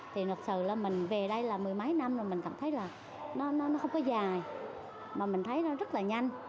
thì thật sự là mình về đây là mười mấy năm rồi mình cảm thấy là nó không có dài mà mình thấy nó rất là nhanh